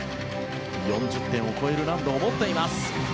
４０点を超える難度を持っています。